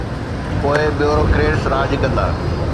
پوءِ بيوروڪريٽس راڄ ڪندا